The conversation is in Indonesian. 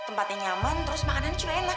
tempatnya nyaman terus makanan juga enak